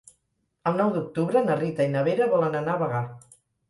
El nou d'octubre na Rita i na Vera volen anar a Bagà.